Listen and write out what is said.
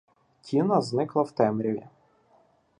Тіна зникла в темряві.